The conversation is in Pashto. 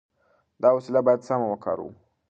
دا وسیله باید سمه وکاروو.